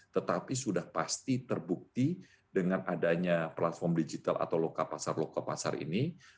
tetapi sudah pasti terbukti dengan adanya platform digital atau loka pasar loka pasar ini